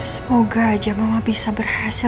semoga aja bahwa bisa berhasil